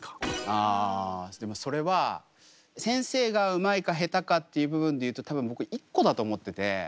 あでもそれは先生がうまいかへたかっていう部分でいうと多分僕一個だと思ってて。